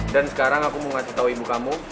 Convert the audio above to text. dan sekarang aku mau ngasih tahu ibu kamu